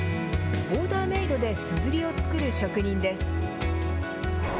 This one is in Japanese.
オーダーメイドですずりを作る職人です。